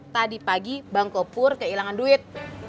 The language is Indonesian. tadi pagi bang gopur kehilangan duit